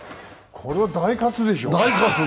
これは大喝でしょ。